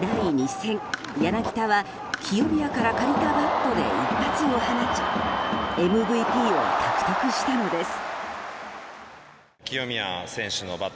第２戦、柳田は清宮から借りたバットで一発を放ちＭＶＰを獲得したのです。